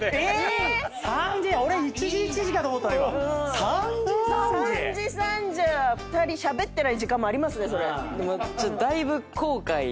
３時・３時⁉３時・３時じゃあ２人しゃべってない時間もありますねそれ。